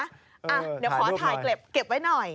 เดี๋ยวขอถ่ายเก็บไว้หน่อย